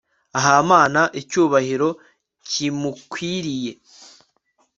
ahamana icyubahiro kimukwiriye